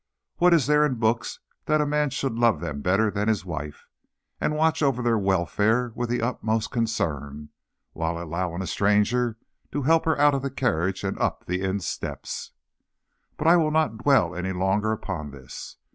what is there in books, that a man should love them better than his wife, and watch over their welfare with the utmost concern, while allowing a stranger to help her out of the carriage and up the inn steps? But I will not dwell any longer upon this.